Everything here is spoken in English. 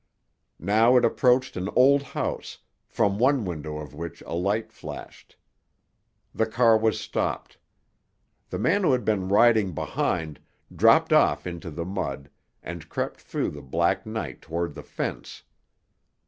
Now it approached an old house, from one window of which a light flashed. The car was stopped. The man who had been riding behind dropped off into the mud and crept through the black night toward the fence.